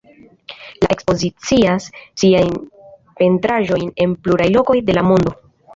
Li ekspoziciis siajn pentraĵojn en pluraj lokoj de la mondo.